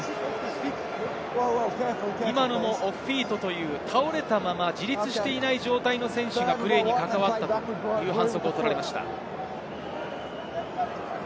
今のもオフフィートという倒れたまま自立していない状態の選手がプレーに関わったという反則を取られました。